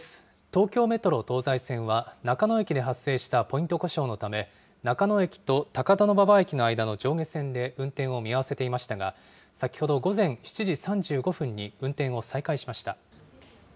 東京メトロ東西線は、中野駅で発生したポイント故障のため、中野駅と高田馬場駅の間の上下線で運転を見合わせていましたが、先ほど午前７時分に運転を再開しました。